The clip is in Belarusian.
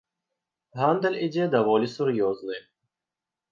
Гандаль ідзе даволі сур'ёзны.